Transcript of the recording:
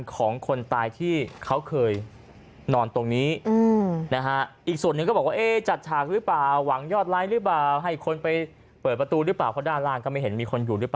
ของคนตายที่เขาเคยนอนตรงนี้